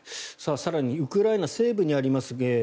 更にウクライナ西部にあります